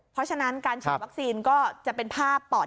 เพราะฉะนั้นการฉีดวัคซีนก็จะเป็นภาพปอด